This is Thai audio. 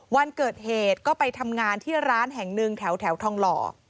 วันเกิดเหตุก็ไปทำงานที่ร้านแห่งหนึ่งแถวทองหล่อ